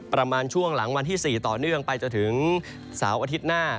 ประมาณช่วงหลังวันที่๔ต่อเนื่องไปจนถึงเสาร์อาทิตย์หน้า